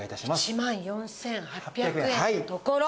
１万４８００円のところ。